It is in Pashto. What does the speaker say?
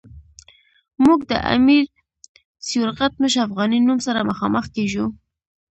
موږ د امیر سیورغتمش افغانی نوم سره مخامخ کیږو.